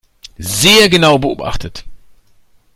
Sehr genau beobachtet.